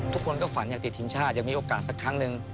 ทุกคนก็ฝันอยากติดทีมชาติอยากมีโอกาสสักครั้งหนึ่ง